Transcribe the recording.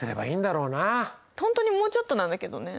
ほんとにもうちょっとなんだけどね。